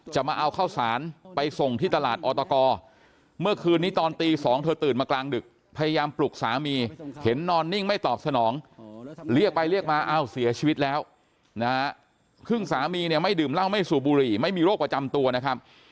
จะมาเอาข้าวศาลไปส่งที่ตลาดอตกอ